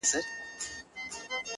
ځيني وخت د غموونکي کار لپاره هم کاریږي.